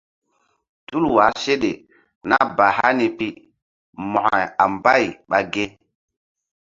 Tul wah seɗe nah ba hani pi mo̧ko a mbay ɓa ge?